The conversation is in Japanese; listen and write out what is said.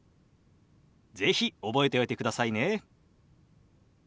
是非覚えておいてくださいね。